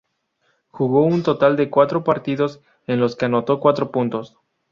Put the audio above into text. Jugó un total de cuatro partidos, en los que anotó cuatro puntos.